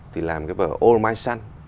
thì làm cái vở all my son